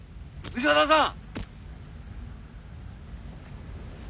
潮田さん！